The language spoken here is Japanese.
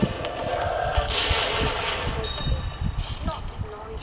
な何じゃ？